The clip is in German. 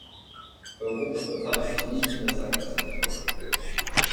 Europa befand sich nicht in der Sackgasse.